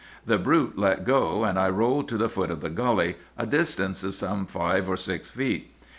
The brute let go; and I rolled to the foot of the gully, a distance of some five or six feet.